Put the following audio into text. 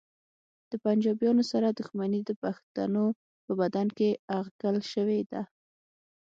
د پنجابیانو سره دښمني د پښتنو په بدن کې اغږل شوې ده